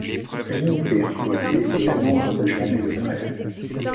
L'unité employée est le nombre de journées de grève.